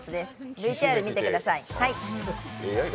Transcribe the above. ＶＴＲ見てください。